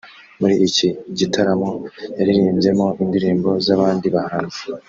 muri iki gitaramo yaririmbyemo indirimbo z’abandi bahanzi